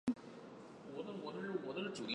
柴液机车成为营运主流。